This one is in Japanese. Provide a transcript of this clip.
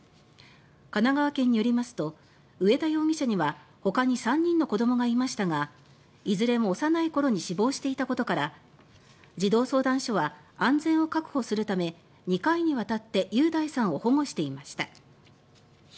神奈川県によりますと上田容疑者はほかに３人の子どもがいましたがいずれも幼い頃に死亡していたことから児童相談所は安全を確保するため２回にわたって雄大さんを保護していました。